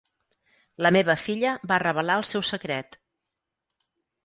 La meva filla va revelar el seu secret.